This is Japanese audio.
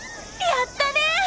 やったね！